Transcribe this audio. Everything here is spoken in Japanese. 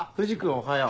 おはよう。